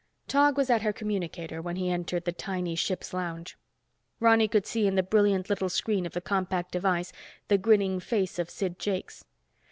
Tog was at her communicator when he entered the tiny ship's lounge. Ronny could see in the brilliant little screen of the compact device, the grinning face of Sid Jakes.